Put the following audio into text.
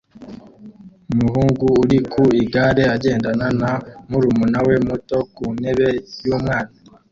Umuhungu uri ku igare agendana na murumuna we muto ku ntebe y'umwana